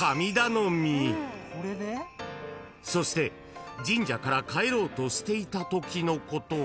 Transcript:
［そして神社から帰ろうとしていたときのこと］